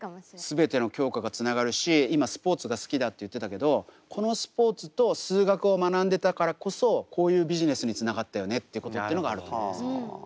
全ての教科がつながるし今スポーツが好きだって言ってたけどこのスポーツと数学を学んでたからこそこういうビジネスにつながったよねっていうことってのがあると思いますね。